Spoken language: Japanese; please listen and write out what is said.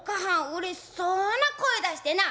うれしそうな声出してな